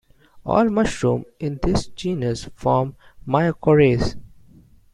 All mushrooms in this genus form mycorrhizae.